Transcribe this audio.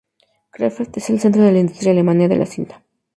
Krefeld es el centro de la industria alemana de la cinta.